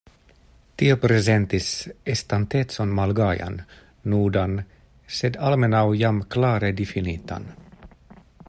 Tio prezentis estantecon malgajan, nudan, sed almenaŭ jam klare difinitan.